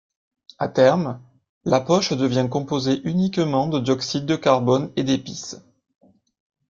À terme, la poche devient composée uniquement de dioxyde de carbone et d’épice.